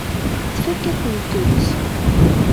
Tfakk-akent-tt.